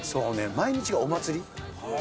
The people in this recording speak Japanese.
毎日がお祭り。